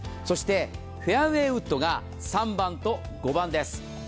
そしてフェアウェイウッドが３番と５番です。